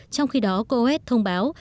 trong khi đó coes thông báo